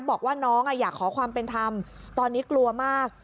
บอกว่าน้องอยากขอความเป็นธรรมตอนนี้กลัวมาก